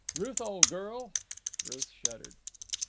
"Ruth, old girl." Ruth shuddered.